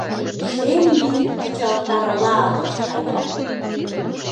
Шем вий пычалтарла ылыж кая!